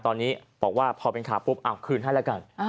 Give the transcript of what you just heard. ตอนนี้บอกว่าพอเป็นข่าวปุ๊บคืนให้แล้วกัน